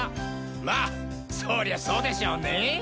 まあそりゃそうでしょうね